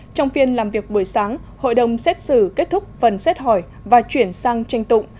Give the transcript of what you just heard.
trong phiên làm việc buổi sáng hội đồng xét xử kết thúc phần xét hỏi và chuyển sang tranh tụng